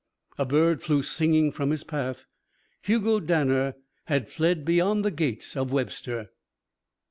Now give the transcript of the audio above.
A bird flew singing from his path. Hugo Danner had fled beyond the gates of Webster.